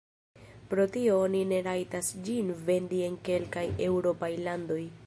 Pro tio oni ne rajtas ĝin vendi en kelkaj eŭropaj landoj.